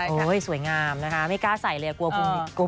โอ้ยสวยงามนะฮะไม่กล้าใส่เลยกลัวพูงออก